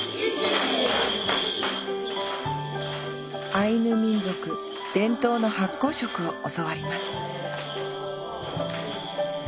アイヌ民族伝統の発酵食を教わります